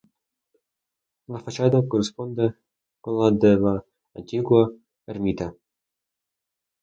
La fachada corresponde con la de la antigua ermita.